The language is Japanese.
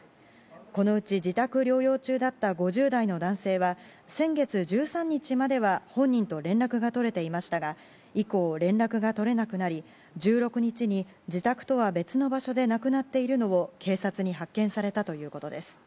このうち自宅療養中だった５０代の男性は先月１３日までは本人と連絡が取れていましたが、以降、連絡が取れなくなり、１６日に自宅とは別の場所で亡くなっているのを警察に発見されたということです。